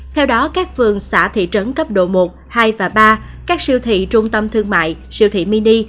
theo đó các phường xã thị trấn cấp độ một hai và ba các siêu thị trung tâm thương mại siêu thị mini